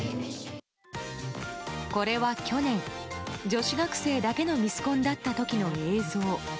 これは去年、女子学生だけのミスコンだった時の映像。